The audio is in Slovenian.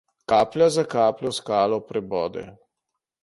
Kaplja za kapljo skalo prebode.